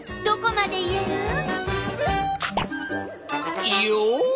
どこまでいえる？